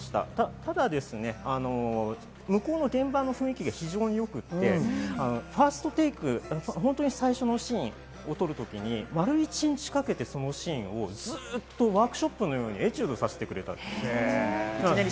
ただ、向こうの現場の雰囲気が良くて、ファーストテーク、本当に最初のシーンを撮るときに丸一日かけてそのシーンをずっとワークショップのようにエチュードさせてくれたそうです。